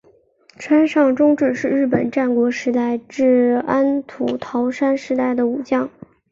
川上忠智是日本战国时代至安土桃山时代的武将。